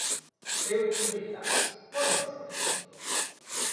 Eu pídolle datos, póñaos por escrito.